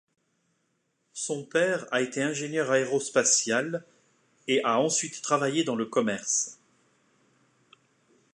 Son père a été ingénieur aérospatial et a ensuite travaillé dans le commerce.